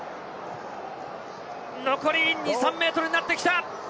残り２３ｍになってきた。